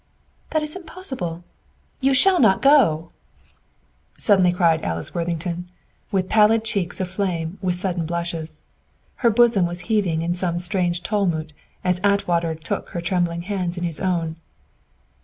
"This is impossible! YOU SHALL NOT GO!" suddenly cried Alice Worthington, with pallid cheeks aflame with sudden blushes. Her bosom was heaving in some strange tumult as Atwater took her trembling hands in his own.